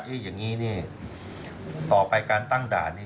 อย่างนี้นี่ต่อไปการตั้งด่านนี้